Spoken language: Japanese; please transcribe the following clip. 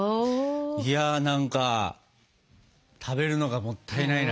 いや何か食べるのがもったいないな。